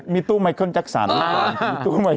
มีตู้ใหม่เคลื่อนจักษานี้ก่อน